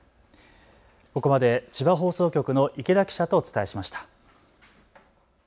ここまで千葉放送局の池田記者とお伝えしました。